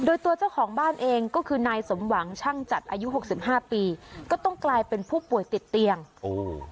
โดยตัวเจ้าของบ้านเองก็คือนายสมหวังช่างจัดอายุหกสิบห้าปีก็ต้องกลายเป็นผู้ป่วยติดเตียงโอ้